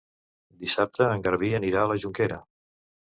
Dissabte en Garbí anirà a la Jonquera.